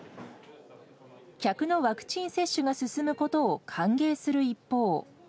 客のワクチン接種が進むことを歓迎する一方。